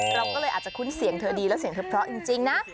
เราก็เลยอาจจะคุ้นเสียงเธอดีแล้วเสียงเธอเพราะจริงนะ